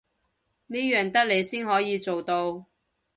呢樣得你先可以做到